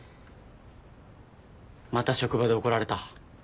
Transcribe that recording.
また職場で怒られた？